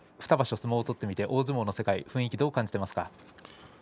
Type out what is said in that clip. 相撲を取って大相撲の世界雰囲気をどう感じていますか。